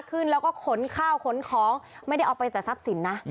ขึ้นแล้วก็ขนข้าวขนของไม่ได้เอาไปแต่ทรัพย์สินนะ